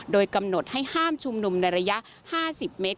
โดยกำหนดให้ห้ามชุมนุมในระยะ๕๐เมตร